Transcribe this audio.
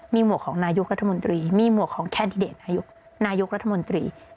มีหมวกของนายกรัฐมนตรีมีหมวกของแคนดิเดตนายกรัฐมนตรี